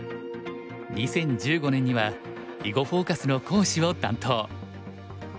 ２０１５年には「囲碁フォーカス」の講師を担当。